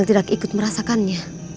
tidak ada abang